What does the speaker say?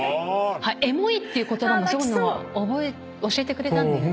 エモいっていう言葉を教えてくれたんだよね。